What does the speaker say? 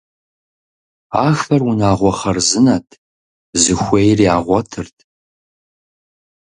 Ахэр унагъуэ хъарзынэт, захуейр ягъуэтырт.